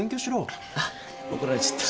怒られちゃった。